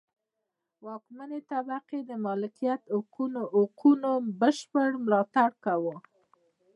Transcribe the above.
واکمنې طبقې د مالکیت حقونو بشپړ ملاتړ کاوه.